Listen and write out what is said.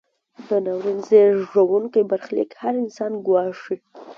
دا ناورین زیږوونکی برخلیک هر انسان ګواښي.